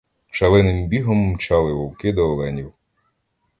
Шаленим бігом мчали вовки до оленів.